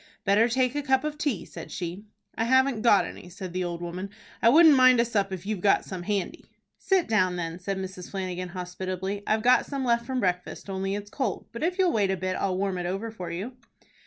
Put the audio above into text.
"Better take a cup of tea," said she. "I haven't got any," said the old woman. "I wouldn't mind a sup if you've got some handy." "Sit down then," said Mrs. Flanagan, hospitably. "I've got some left from breakfast, only it's cold, but if you'll wait a bit, I'll warm it over for you."